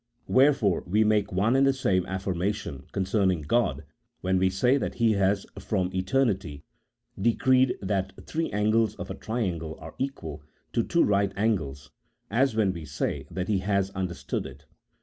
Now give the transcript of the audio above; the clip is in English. Wherefore we make one and the same affirmation concerning God when we say that He has from eternity decreed that three angles of a triangle are equal to two right angles, as when we say that He has under stood it.